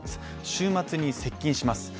週末に接近します。